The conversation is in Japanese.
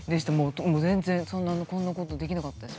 全然そんなこんなことできなかったです。